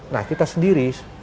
nah kita sendiri